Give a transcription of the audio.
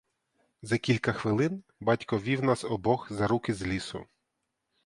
За кілька хвилин батько вів нас обох за руки з лісу.